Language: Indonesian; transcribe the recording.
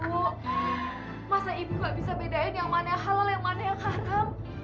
bu masa ibu gak bisa bedain yang mana halal yang mana yang haram